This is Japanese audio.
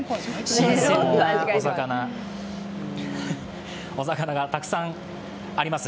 新鮮なお魚がたくさんあります。